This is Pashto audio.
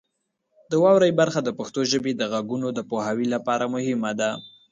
د واورئ برخه د پښتو ژبې د غږونو د پوهاوي لپاره مهمه ده.